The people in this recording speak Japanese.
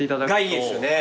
がいいですよね。